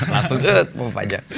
langsung eeuh mau pajak